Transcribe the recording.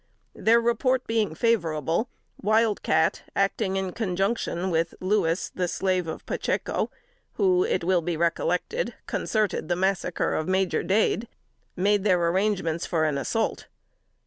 Their report being favorable, "Wild Cat," acting in conjunction with Louis, the slave of Pacheco, who, it will be recollected, concerted the massacre of Major Dade, made their arrangements for an assault.